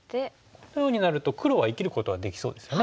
このようになると黒は生きることができそうですよね。